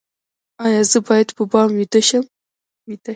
ایا زه باید په بام ویده شم؟